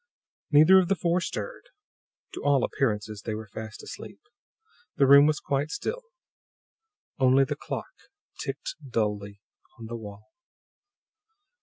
Neither of the four stirred. To all appearances they were fast asleep. The room was quite still; only the clock ticked dully on the wall.